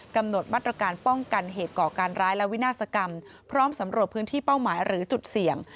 กำหนดมาตรการป้องกันเหตุก่อการร้ายและวินาศกรรมพร้อมสำรวจพื้นที่เป้าหมายหรือจุดเสี่ยง